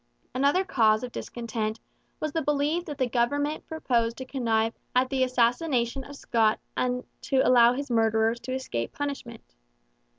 Another cause of discontent was the belief that the government proposed to connive at the assassination of Scott and to allow his murderers to escape punishment.